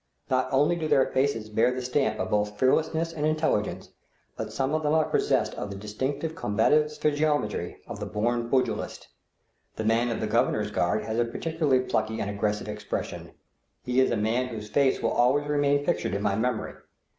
Not only do their faces bear the stamp of both fearlessness and intelligence, but some of them are possessed of the distinctively combative physiognomy of the born pugilist. The captain of the Governor's guard has a particularly plucky and aggressive expression; he is a man whose face will always remain pictured on my memory.